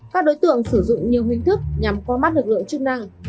các đối tượng sử dụng nhiều hình thức nhằm qua mắt lực lượng chức năng